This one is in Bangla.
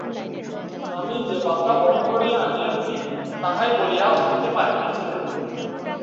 আমি যে বার্তা বহন করিয়া আনিয়াছি, তাহাই বলিয়া উঠিতে পারিতেছি না।